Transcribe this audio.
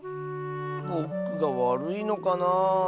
ぼくがわるいのかなあ。